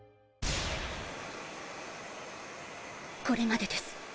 これまでです。